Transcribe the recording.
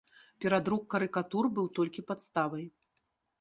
Перадрук карыкатур быў толькі падставай.